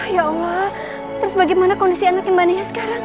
ya allah terus bagaimana kondisi anak imbanaya sekarang